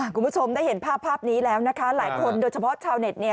คุณผู้ชมได้เห็นภาพภาพนี้แล้วนะคะหลายคนโดยเฉพาะชาวเน็ตเนี่ย